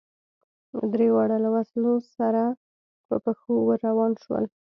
درېواړه له وسلو سره په پښو ور روان شول.